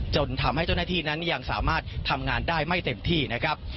จนทำให้เจ้าหน้าที่นั้นยังสามารถทำงานได้ไม่เต็มที่นะครับ